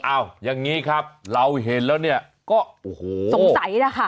อย่างนี้ครับเราเห็นแล้วเนี่ยก็โอ้โหสงสัยนะคะ